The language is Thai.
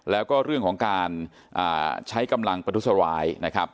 แล้วก็เรื่องของการใช้กำลังประทุษร้ายนะครับ